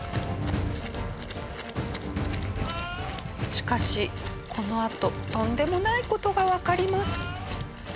しかしこのあととんでもない事がわかります。